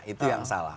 itu yang salah